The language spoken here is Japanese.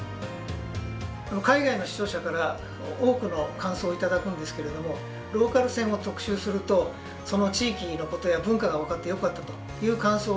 海外の視聴者から多くの感想を頂くんですけれどもローカル線を特集するとその地域のことや文化が分かってよかったという感想をよく頂きます。